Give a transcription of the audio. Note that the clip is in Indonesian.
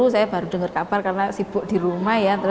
saya baru dengar kabar karena sibuk di rumah ya